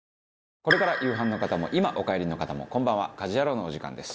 これから夕飯の方も今お帰りの方もこんばんは『家事ヤロウ！！！』のお時間です。